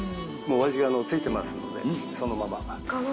もうお味ついてますのでそのまま。